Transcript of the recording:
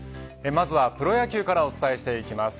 まずはプロ野球からお伝えしていきます。